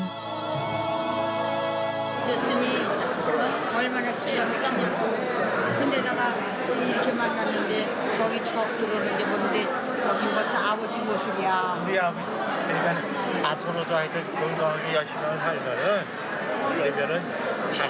มีบัญชีทหมารกก็ได้ดันเป็นปารับปาก